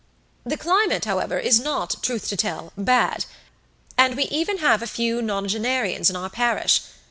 The climate, however, is not, truth to tell, bad, and we even have a few nonagenarians in our parish.